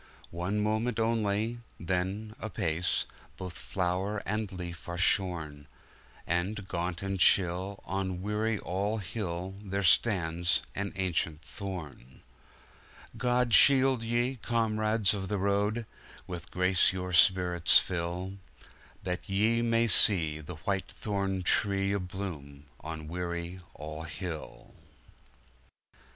One moment only — then, apace, Both flower and leaf are shorn; And, gaunt and chill, on Weary All Hill, There stands an ancient thorn! God shield ye, comrades of the road — With grace your spirits fill, That ye may see the White thorn tree A bloom on Weary All Hill!